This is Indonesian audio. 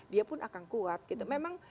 dia pun akan kuat gitu memang